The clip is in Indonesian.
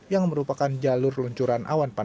yang merupakan jalur luncuran awan panas